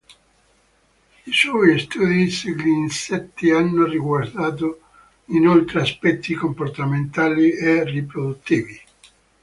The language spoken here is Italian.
I suoi studi sugli Insetti hanno riguardato inoltre aspetti comportamentali e riproduttivi.